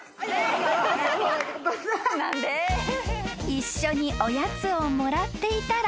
［一緒におやつをもらっていたら］